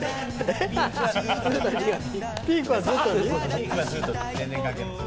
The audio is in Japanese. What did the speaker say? ピークはずうとるびです。